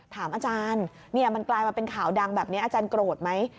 ถามอาจารย์มันกลายมาเป็นข่าวดังแบบนี้อาจารย์โกรธไหม